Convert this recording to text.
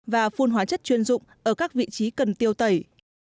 và phun hóa chất chuyên dụng ở các vị trí cần tiêu tẩy